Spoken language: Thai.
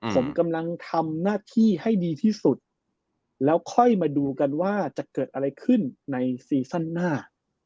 ผมกำลังทำหน้าที่ให้ดีที่สุดแล้วค่อยมาดูกันว่าจะเกิดอะไรขึ้นในซีซั่นหน้า